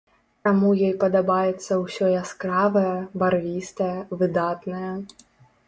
Таму ёй падабаецца ўсё яскравае, барвістае, выдатнае.